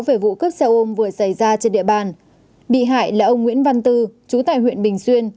về vụ cướp xe ôm vừa xảy ra trên địa bàn bị hại là ông nguyễn văn tư chú tại huyện bình xuyên